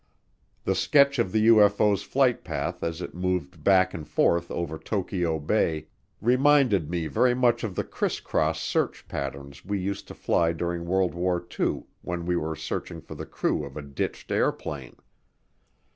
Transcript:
The sketch of the UFO's flight path as it moved back and forth over Tokyo Bay reminded me very much of the "crisscross" search patterns we used to fly during World War II when we were searching for the crew of a ditched airplane.